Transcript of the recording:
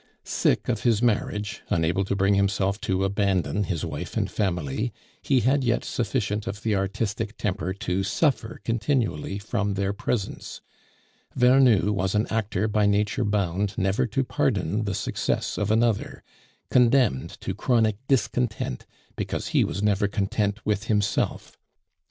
Sick of his marriage, unable to bring himself to abandon his wife and family, he had yet sufficient of the artistic temper to suffer continually from their presence; Vernou was an actor by nature bound never to pardon the success of another, condemned to chronic discontent because he was never content with himself.